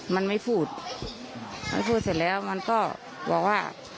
มันไม่พูดมันพูดเสร็จแล้วมันก็บอกว่า